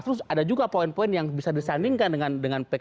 terus ada juga poin poin yang bisa disandingkan dengan pks